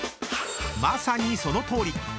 ［まさにそのとおり！］